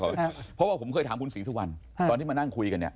เพราะว่าผมเคยถามคุณศรีสุวรรณตอนที่มานั่งคุยกันเนี่ย